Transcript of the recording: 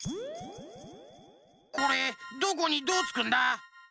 これどこにどうつくんだ？